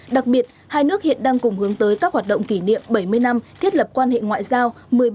đặc biệt hai nước hiện đang cùng hướng tới các hoạt động kỷ niệm bảy mươi năm thiết lập quan hệ ngoại giao